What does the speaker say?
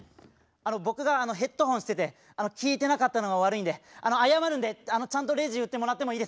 あの僕がヘッドホンしてて聞いてなかったのが悪いんで謝るんでちゃんとレジ打ってもらってもいいですか？